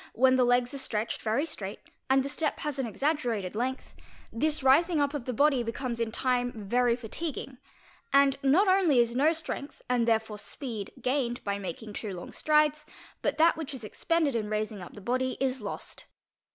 when the legs are stretched very straight and the step has an seg coemca length, this rising up of the body becomes in time very fatiguing, and not _ only is no strength, and therefore speed, gained by making too long strides, but that which is expended in raising up the body is lost.